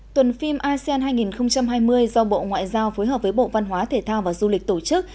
tuần phim asean hai nghìn hai mươi do bộ ngoại giao phối hợp với bộ văn hóa thể thao và du lịch tổ chức